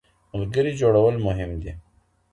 ملګري جوړول مهم دي.